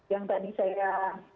yang tadi saya